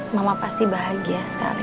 mama pasti bahagia sekali